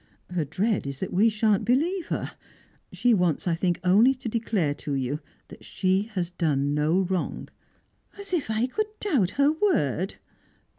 Her dread is that we shan't believe her. She wants, I think, only to declare to you that she has done no wrong." "As if I could doubt her word!"